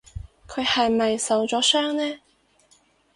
佢係咪受咗傷呢？